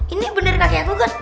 ini bener kakek aku kan